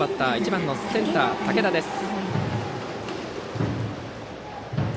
１番のセンター、武田です。